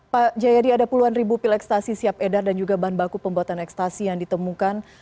pak jayadi ada puluhan ribu pil ekstasi siap edar dan juga bahan baku pembuatan ekstasi yang ditemukan